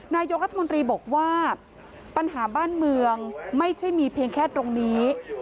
นายกรัฐมนตรีบอกว่าปัญหาบ้านเมืองไม่ใช่มีเพียงแค่ตรงนี้